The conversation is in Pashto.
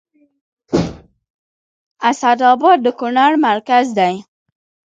اسداباد د کونړ مرکز دی